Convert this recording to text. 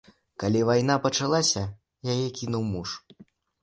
Калі вайна пачалася, яе кінуў муж.